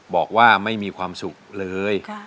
บอกว่าไม่มีความสุขเลย